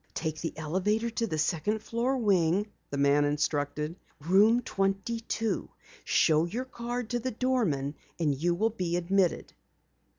"Take the elevator to the second floor wing," the man instructed. "Room 22. Show your card to the doorman and you will be admitted."